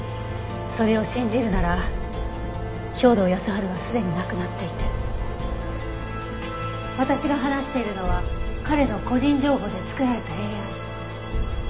それを信じるなら兵働耕春はすでに亡くなっていて私が話しているのは彼の個人情報で作られたＡＩ。